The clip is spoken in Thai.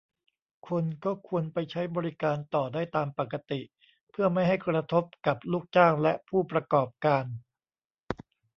คนก็ควรไปใช้บริการต่อได้ตามปกติ เพื่อไม่ให้กระทบกับลูกจ้างและผู้ประกอบการ